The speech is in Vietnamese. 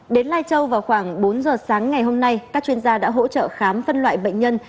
đến lai châu vào khoảng bốn giờ sáng ngày hôm nay các chuyên gia đã hỗ trợ khám phân loại bệnh nhân